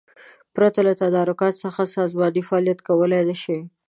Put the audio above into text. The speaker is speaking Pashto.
پرته له تدارکاتو څخه سازمان فعالیت کولای نشي.